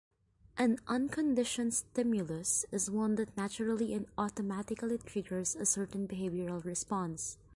An unconditioned stimulus is one that naturally and automatically triggers a certain behavioral response.